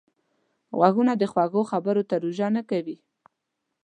غوږونه د خوږو خبرو نه روژه نه کوي